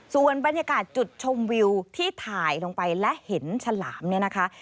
ส่วนบรรยากาศจุดชมวิวที่ถ่ายลงไปและเห็นฉลามเนี่ยนะคะ